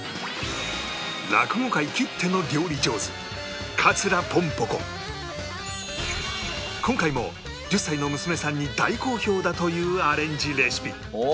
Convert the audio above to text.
落語界きっての料理上手今回も１０歳の娘さんに大好評だというアレンジレシピ